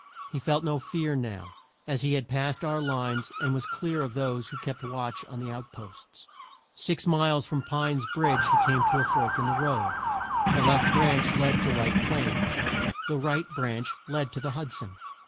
He felt no fear now, as he had passed our lines, and was clear of those who kept watch on the out posts. Six miles from Pine's Bridge he came to a fork in the road. The left branch led to White Plains. The right branch led to the Hud son.